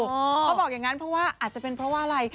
เขาบอกอย่างนั้นเพราะว่าอาจจะเป็นเพราะว่าอะไร